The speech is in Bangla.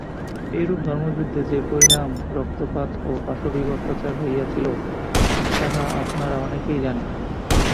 এইরূপ ধর্মযুদ্ধে যে-পরিণাম রক্তপাত ও পাশবিক অত্যাচার হইয়াছিল, তাহা আপনারা অনেকেই জানেন।